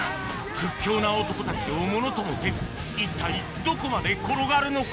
屈強な男たちをものともせず一体どこまで転がるのか？